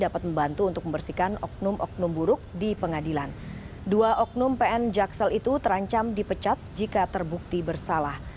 pancam dipecat jika terbukti bersalah